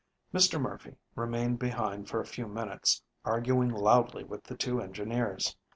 Mr. Murphy remained behind for a few minutes, arguing loudly with the two engineers.